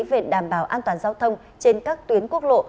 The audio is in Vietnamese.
về đảm bảo an toàn giao thông trên các tuyến quốc lộ